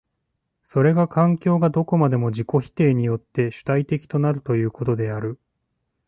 それが環境がどこまでも自己否定によって主体的となるということである。